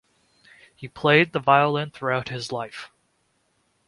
He played the violin throughout his life.